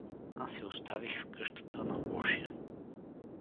Аз я оставих в къщата на лошия.